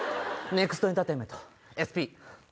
ネクストエンターテインメント「ＳＰ」。